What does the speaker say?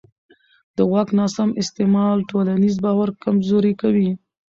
د واک ناسم استعمال ټولنیز باور کمزوری کوي